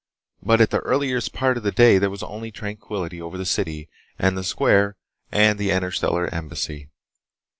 But at the earliest part of the day there was only tranquillity over the city and the square and the Interstellar Embassy.